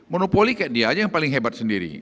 monopoli kayak dia aja yang paling hebat sendiri